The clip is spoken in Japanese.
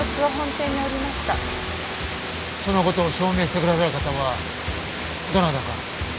その事を証明してくださる方はどなたか。